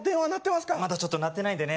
まだちょっと鳴ってないんでね